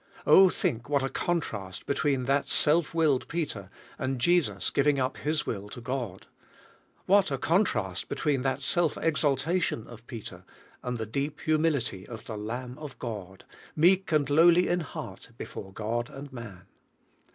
Oh, think what a contrast between that self willed Peter, and Jesus giving up His will to God! What a contrast between that self exaltation of Peter, and the deep humility of the Lamb of God, meek and lowly in heart be fore God and man!